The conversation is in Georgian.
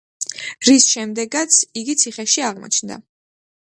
რის შემდეგაც იგი ციხეში აღმოჩნდა.